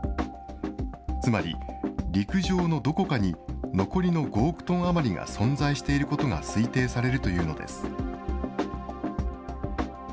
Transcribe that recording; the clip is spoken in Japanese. つまり、陸上のどこかに残りの５億トン余りが存在していることが推定されるというのです。